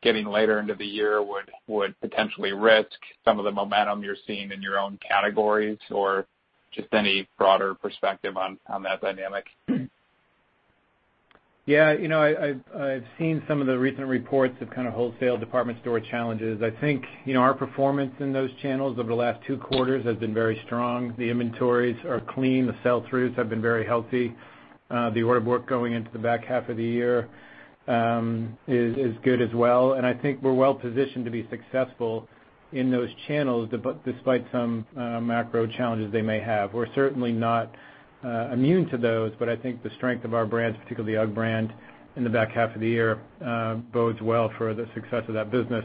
getting later into the year would potentially risk some of the momentum you're seeing in your own categories, or just any broader perspective on that dynamic? Yeah. I've seen some of the recent reports of kind of wholesale department store challenges. I think our performance in those channels over the last two quarters has been very strong. The inventories are clean. The sell-throughs have been very healthy. The order work going into the back half of the year is good as well, and I think we're well positioned to be successful in those channels despite some macro challenges they may have. We're certainly not immune to those, but I think the strength of our brands, particularly the UGG brand in the back half of the year bodes well for the success of that business.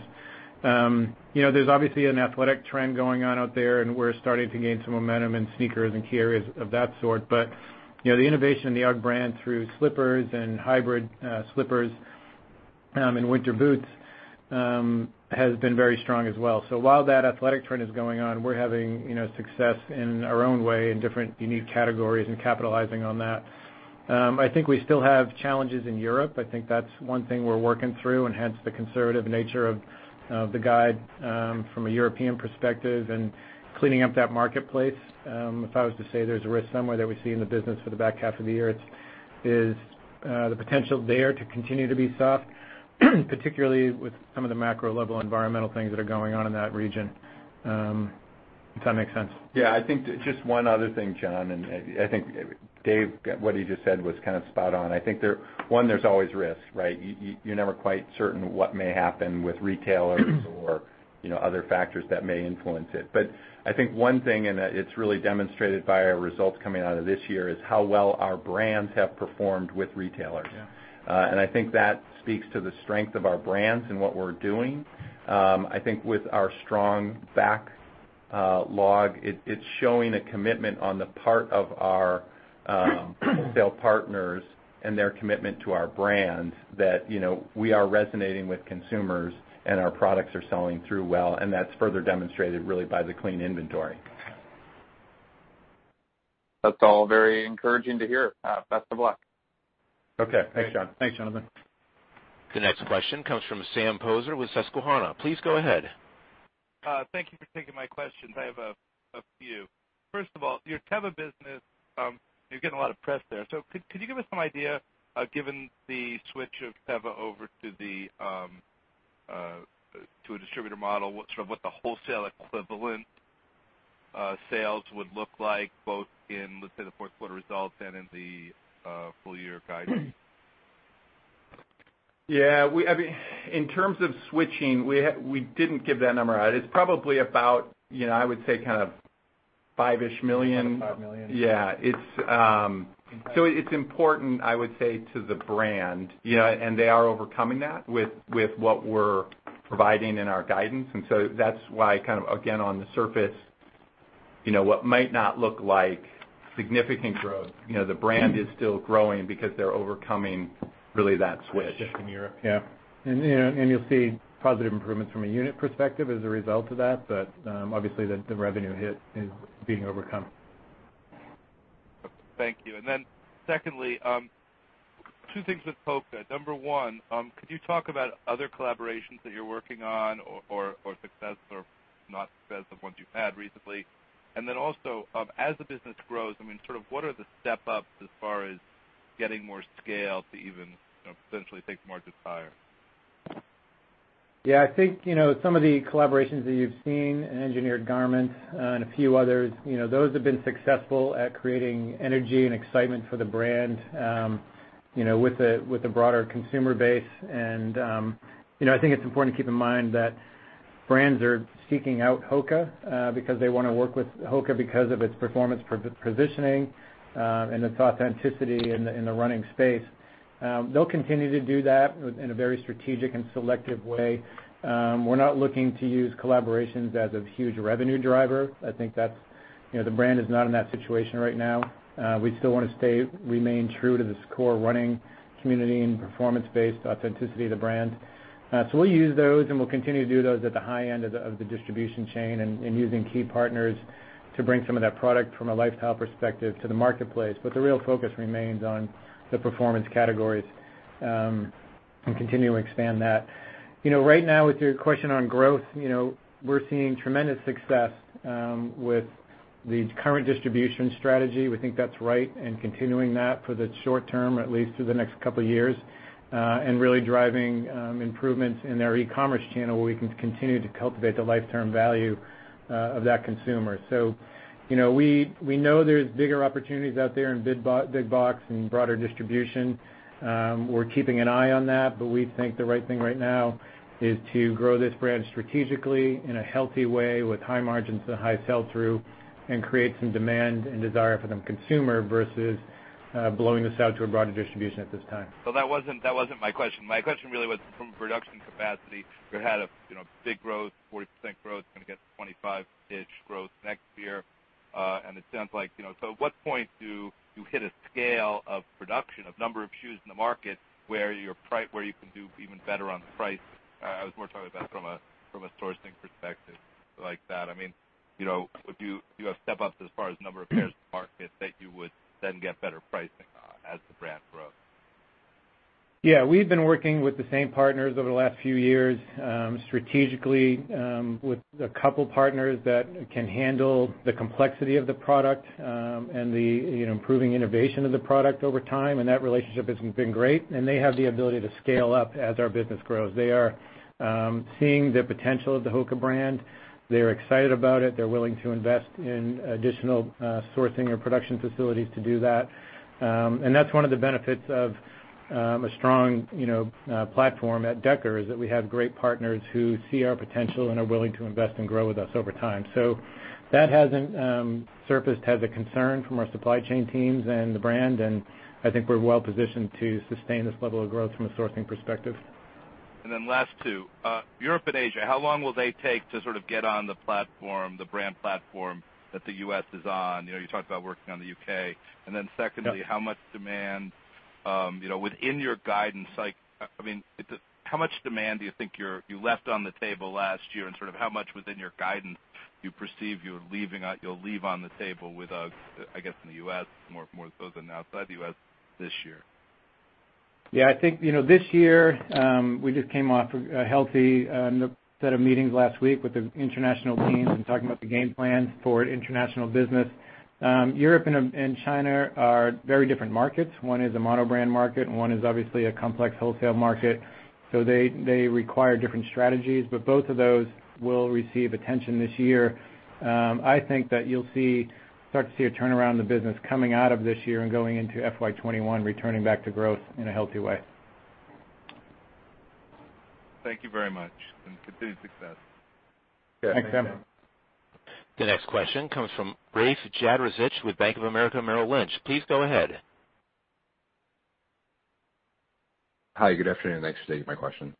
There's obviously an athletic trend going on out there, and we're starting to gain some momentum in sneakers and carriers of that sort. The innovation in the UGG brand through slippers and hybrid slippers and winter boots has been very strong as well. While that athletic trend is going on, we're having success in our own way in different unique categories and capitalizing on that. I think we still have challenges in Europe. I think that's one thing we're working through, and hence the conservative nature of the guide from a European perspective and cleaning up that marketplace. If I was to say there's a risk somewhere that we see in the business for the back half of the year, it is the potential there to continue to be soft, particularly with some of the macro-level environmental things that are going on in that region. If that makes sense. Yeah, I think just one other thing, Jonathan, and I think Dave, what he just said was kind of spot on. I think, one, there's always risk, right? You're never quite certain what may happen with retailers or other factors that may influence it. I think one thing, and it's really demonstrated by our results coming out of this year, is how well our brands have performed with retailers. Yeah. I think that speaks to the strength of our brands and what we're doing. I think with our strong back log, it's showing a commitment on the part of our sale partners and their commitment to our brands that we are resonating with consumers, and our products are selling through well. That's further demonstrated, really, by the clean inventory. That's all very encouraging to hear. Best of luck. Okay, thanks, John. Thanks, Jonathan. The next question comes from Sam Poser with Susquehanna. Please go ahead. Thank you for taking my questions. I have a few. First of all, your Teva business, you're getting a lot of press there. Could you give us some idea, given the switch of Teva over to a distributor model, sort of what the wholesale equivalent sales would look like, both in, let's say, the fourth quarter results and in the full year guidance? Yeah. In terms of switching, we didn't give that number out. It's probably about, I would say, kind of $five-ish million. $five million. Yeah. It's important, I would say, to the brand. They are overcoming that with what we're providing in our guidance. That's why, kind of, again, on the surface, what might not look like significant growth, the brand is still growing because they're overcoming really that switch. Shift in Europe, yeah. You'll see positive improvements from a unit perspective as a result of that. Obviously, the revenue hit is being overcome. Thank you. Secondly, two things with HOKA. Number one, could you talk about other collaborations that you're working on, or success or not success of ones you've had recently? Also, as the business grows, sort of what are the step-ups as far as getting more scale to even potentially think more desire? Yeah, I think, some of the collaborations that you've seen in engineered garments and a few others, those have been successful at creating energy and excitement for the brand with a broader consumer base. I think it's important to keep in mind that brands are seeking out HOKA because they want to work with HOKA because of its performance positioning and its authenticity in the running space. They'll continue to do that in a very strategic and selective way. We're not looking to use collaborations as a huge revenue driver. I think the brand is not in that situation right now. We still want to remain true to this core running community and performance-based authenticity of the brand. We'll use those, and we'll continue to do those at the high end of the distribution chain and using key partners to bring some of that product from a lifestyle perspective to the marketplace. The real focus remains on the performance categories and continue to expand that. Right now, with your question on growth, we're seeing tremendous success with the current distribution strategy. We think that's right and continuing that for the short term, or at least through the next couple of years, and really driving improvements in our e-commerce channel where we can continue to cultivate the long-term value of that consumer. We know there's bigger opportunities out there in big box and broader distribution. We're keeping an eye on that, but we think the right thing right now is to grow this brand strategically in a healthy way with high margins and high sell-through and create some demand and desire for the consumer versus blowing this out to a broader distribution at this time. That wasn't my question. My question really was from production capacity. You had a big growth, 40% growth, going to get 25-ish% growth next year. It sounds like, at what point do you hit a scale of production of number of shoes in the market where you can do even better on the price? I was more talking about from a sourcing perspective like that. Would you have step-ups as far as number of pairs in the market that you would then get better pricing on as the brand grows? We've been working with the same partners over the last few years, strategically with a couple partners that can handle the complexity of the product and the improving innovation of the product over time, that relationship has been great, and they have the ability to scale up as our business grows. They are seeing the potential of the HOKA brand. They're excited about it. They're willing to invest in additional sourcing or production facilities to do that. That's one of the benefits of a strong platform at Deckers is that we have great partners who see our potential and are willing to invest and grow with us over time. That hasn't surfaced as a concern from our supply chain teams and the brand, I think we're well positioned to sustain this level of growth from a sourcing perspective. Last two. Europe and Asia, how long will they take to sort of get on the platform, the brand platform that the U.S. is on? You talked about working on the U.K. Secondly, how much demand within your guidance, how much demand do you think you left on the table last year, and how much within your guidance do you perceive you'll leave on the table with, I guess, in the U.S. more so than outside the U.S. this year? Yeah. I think, this year, we just came off a healthy set of meetings last week with the international teams and talking about the game plans for international business. Europe and China are very different markets. One is a mono brand market, and one is obviously a complex wholesale market. They require different strategies. Both of those will receive attention this year. I think that you'll start to see a turnaround in the business coming out of this year and going into FY 2021, returning back to growth in a healthy way. Thank you very much, and continued success. Thanks, Sam. The next question comes from Rafe Jadrosich with Bank of America Merrill Lynch. Please go ahead. Hi, good afternoon. Thanks for taking my question.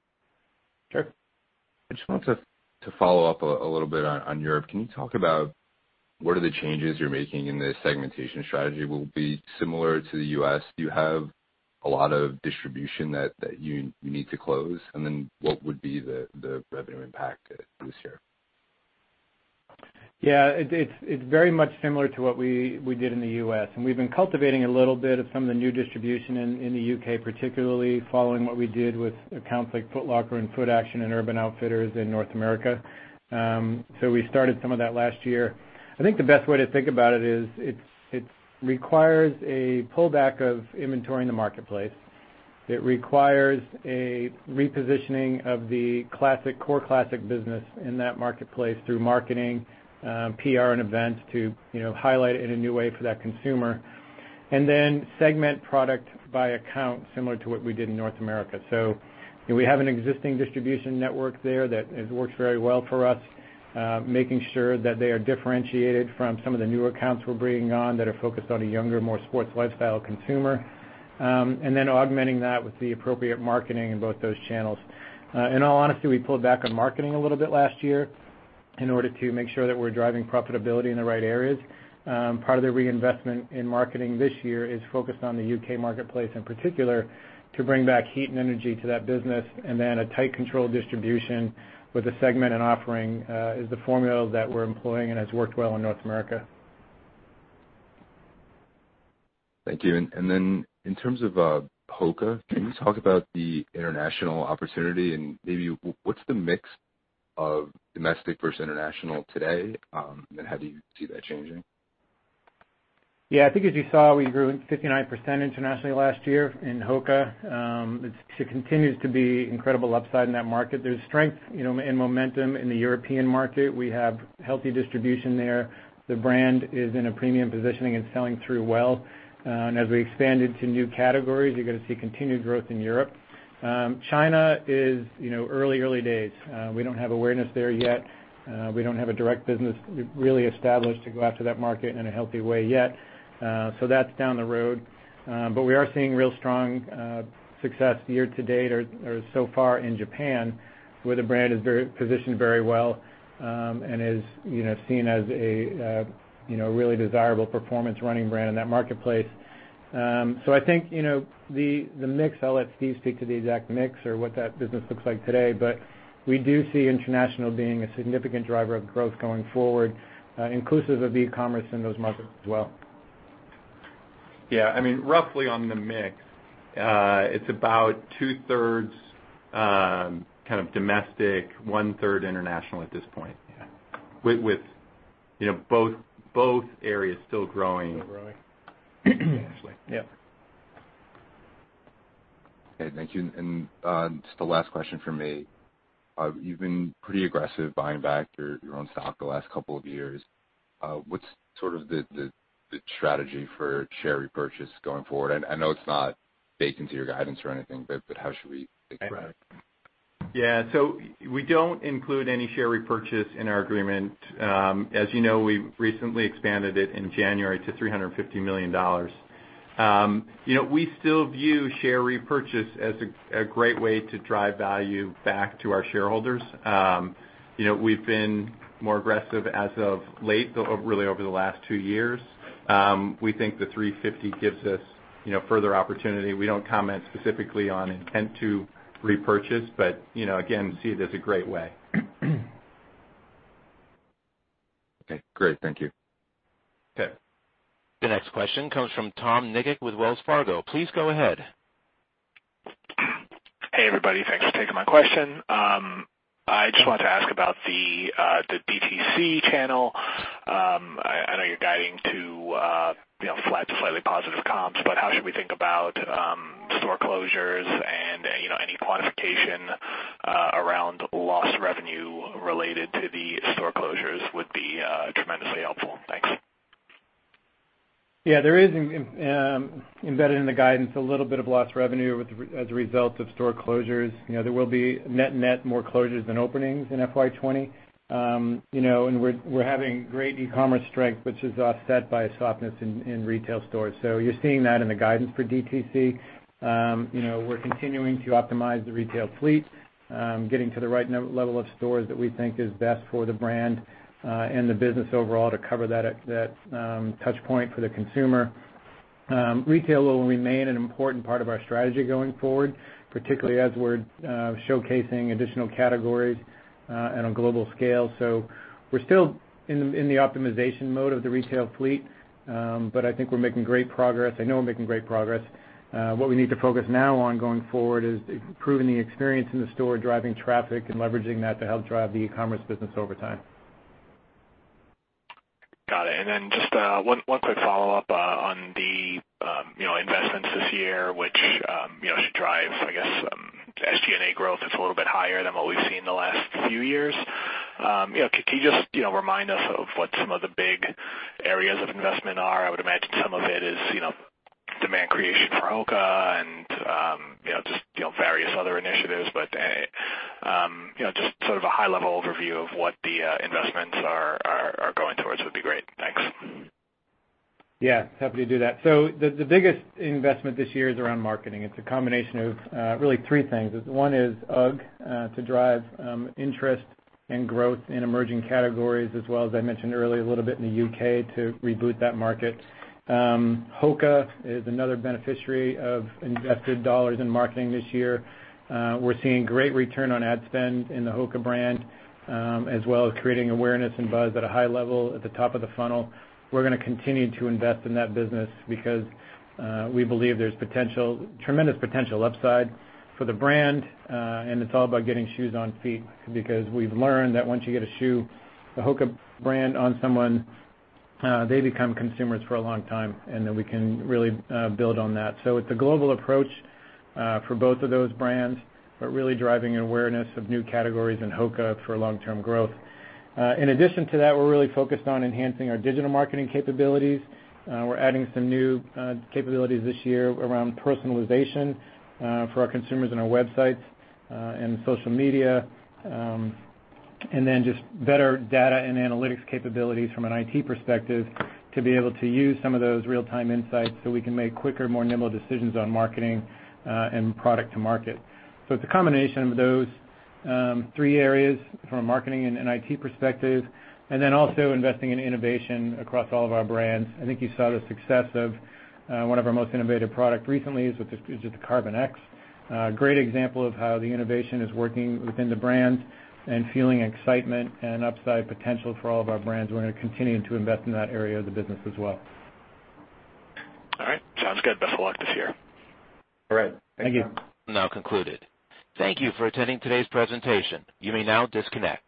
Sure. I just wanted to follow up a little bit on Europe. Can you talk about what are the changes you're making in the segmentation strategy? Will it be similar to the U.S.? Do you have a lot of distribution that you need to close? What would be the revenue impact this year? Yeah, it's very much similar to what we did in the U.S., and we've been cultivating a little bit of some of the new distribution in the U.K., particularly following what we did with accounts like Foot Locker and Footaction and Urban Outfitters in North America. We started some of that last year. I think the best way to think about it is it requires a pullback of inventory in the marketplace. It requires a repositioning of the core classic business in that marketplace through marketing, PR, and events to highlight it in a new way for that consumer, and then segment product by account, similar to what we did in North America. We have an existing distribution network there that has worked very well for us. Making sure that they are differentiated from some of the newer accounts we're bringing on that are focused on a younger, more sports lifestyle consumer. Augmenting that with the appropriate marketing in both those channels. In all honesty, we pulled back on marketing a little bit last year in order to make sure that we're driving profitability in the right areas. Part of the reinvestment in marketing this year is focused on the U.K. marketplace in particular to bring back heat and energy to that business, and then a tight controlled distribution with a segment and offering, is the formula that we're employing and has worked well in North America. Thank you. In terms of HOKA, can you talk about the international opportunity and maybe what's the mix of domestic versus international today? How do you see that changing? Yeah. I think as you saw, we grew 59% internationally last year in HOKA. It continues to be incredible upside in that market. There's strength in momentum in the European market. We have healthy distribution there. The brand is in a premium positioning and selling through well. As we expand into new categories, you're going to see continued growth in Europe. China is early days. We don't have awareness there yet. We don't have a direct business really established to go after that market in a healthy way yet. That's down the road. We are seeing real strong success year to date or so far in Japan, where the brand is positioned very well and is seen as a really desirable performance running brand in that marketplace. I think the mix, I'll let Steve speak to the exact mix or what that business looks like today, we do see international being a significant driver of growth going forward, inclusive of e-commerce in those markets as well. Yeah. Roughly on the mix, it's about two thirds domestic, one third international at this point. Yeah. With both areas still growing. Still growing. Actually. Yeah. Okay, thank you. Just the last question from me. You've been pretty aggressive buying back your own stock the last couple of years. What's the strategy for share repurchase going forward? I know it's not baked into your guidance or anything, how should we think about it? Yeah. We don't include any share repurchase in our agreement. As you know, we recently expanded it in January to $350 million. We still view share repurchase as a great way to drive value back to our shareholders. We've been more aggressive as of late, really over the last two years. We think the 350 gives us further opportunity. We don't comment specifically on intent to repurchase, again, see it as a great way. Okay, great. Thank you. Okay. The next question comes from Tom Nikic with Wells Fargo. Please go ahead. Hey, everybody. Thanks for taking my question. I just wanted to ask about the DTC channel. I know you're guiding to flat to slightly positive comps, but how should we think about store closures and any quantification around lost revenue related to the store closures would be tremendously helpful. Thanks. There is embedded in the guidance, a little bit of lost revenue as a result of store closures. There will be net more closures than openings in FY 2020. We're having great e-commerce strength, which is offset by a softness in retail stores. You're seeing that in the guidance for DTC. We're continuing to optimize the retail fleet, getting to the right level of stores that we think is best for the brand, and the business overall to cover that touch point for the consumer. Retail will remain an important part of our strategy going forward, particularly as we're showcasing additional categories on a global scale. We're still in the optimization mode of the retail fleet, but I think we're making great progress. I know we're making great progress. What we need to focus now on going forward is improving the experience in the store, driving traffic, and leveraging that to help drive the e-commerce business over time. Got it. Then just one quick follow-up on the investments this year, which should drive, I guess, SG&A growth. It's a little bit higher than what we've seen in the last few years. Can you just remind us of what some of the big areas of investment are? I would imagine some of it is demand creation for HOKA and just various other initiatives, but just sort of a high-level overview of what the investments are going towards would be great. Thanks. Yeah, happy to do that. The biggest investment this year is around marketing. It's a combination of really three things. One is UGG, to drive interest and growth in emerging categories, as well as I mentioned earlier, a little bit in the U.K. to reboot that market. HOKA is another beneficiary of invested dollars in marketing this year. We're seeing great return on ad spend in the HOKA brand, as well as creating awareness and buzz at a high level at the top of the funnel. We're going to continue to invest in that business because we believe there's tremendous potential upside for the brand, and it's all about getting shoes on feet because we've learned that once you get a shoe, the HOKA brand on someone, they become consumers for a long time, and then we can really build on that. It's a global approach for both of those brands, but really driving awareness of new categories in HOKA for long-term growth. In addition to that, we're really focused on enhancing our digital marketing capabilities. We're adding some new capabilities this year around personalization for our consumers and our websites and social media. Then just better data and analytics capabilities from an IT perspective to be able to use some of those real-time insights so we can make quicker, more nimble decisions on marketing and product to market. It's a combination of those three areas from a marketing and an IT perspective, and then also investing in innovation across all of our brands. I think you saw the success of one of our most innovative product recently, which is the Carbon X. A great example of how the innovation is working within the brand and fueling excitement and upside potential for all of our brands. We are going to continue to invest in that area of the business as well. All right. Sounds good. Best of luck this year. All right. Thank you. Now concluded. Thank you for attending today's presentation. You may now disconnect.